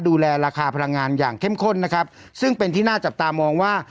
ดูแลราคาพลังงานอย่างเข้มข้นนะครับซึ่งเป็นที่น่าจับตามองว่า